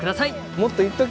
もっと言っとき！